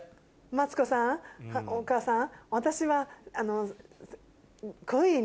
マツコさんお母さん。